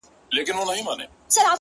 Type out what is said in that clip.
هغه وه تورو غرونو ته رويا وايي’